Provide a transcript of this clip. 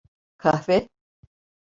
Kahve.